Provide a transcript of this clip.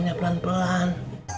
assalamualaikum pak sofian